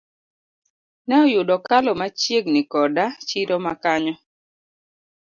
Ne oyudo okalo machiegni koda chiro ma kanyo.